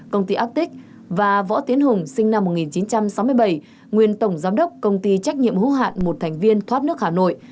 công ty actic và võ tiến hùng sinh năm một nghìn chín trăm sáu mươi bảy nguyên tổng giám đốc công ty trách nhiệm hữu hạn một thành viên thoát nước hà nội